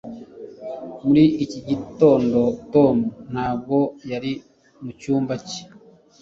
muri iki gitondo, tom ntabwo yari mu cyumba cye